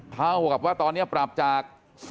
เท่ากับว่าตอนนี้ปรับจาก